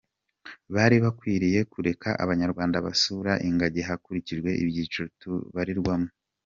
Bari bakwiriye kureka abanyarwanda basura ingagi hakurikijwe ibyiciro tubarirwamo.